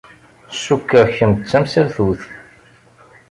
Cukkeɣ kemm d tamsaltut.